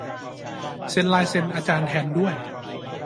เซ็นลายเซ็นอาจารย์แทนด้วย !